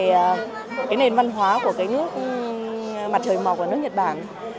về cái nền văn hóa của cái nước mặt trời mọc của nước nhật bản